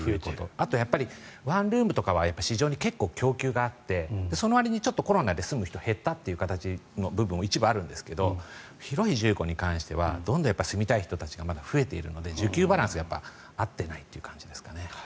あと、やっぱりワンルームとかは市場に結構、供給があってそのわりにコロナで住む人が減ったという形の部分が一部あるんですけど広い住戸に関してはどんどん住みたい人たちがまだ増えているので需給バランスが合ってないという感じですね。